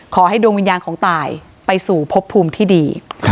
ขอให้ดวงวิญญาณของตายไปสู่พบภูมิที่ดี